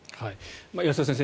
安田先生